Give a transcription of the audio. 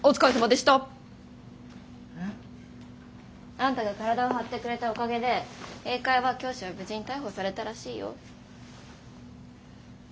あんたが体を張ってくれたおかげで英会話教師は無事に逮捕されたらしいよ。